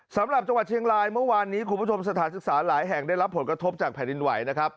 สำหรับจังหวัดเชียงรายเมื่อวานนี้คุณผู้ชมสถานศึกษาหลายแห่งได้รับผลกระทบจากแผ่นดินไหวนะครับ